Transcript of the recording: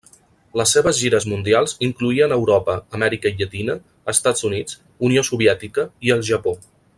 Les seves gires mundials incloïen Europa, Amèrica Llatina, Estats Units, Unió Soviètica i el Japó.